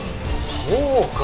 そうか！